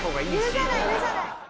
許さない許さない。